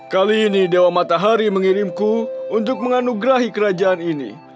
kali ini dewa matahari mengirimku untuk menganugerahi kerajaan ini